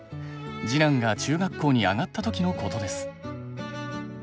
次男が中学校に上がった時のことです。